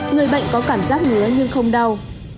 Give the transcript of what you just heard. người bệnh có cảm giác người lớn nhưng không đau